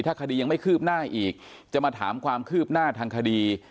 ถ้าคดียังไม่คืบหน้าอีกจะมาถามความคืบหน้าทางคดี